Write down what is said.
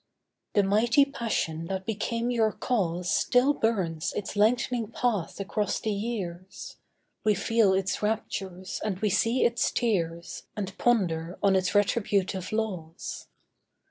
The mighty passion that became your cause, Still burns its lengthening path across the years; We feel its raptures, and we see its tears And ponder on its retributive laws.